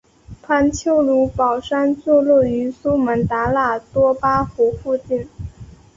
潘丘卢保山坐落于苏门答腊多巴湖附近。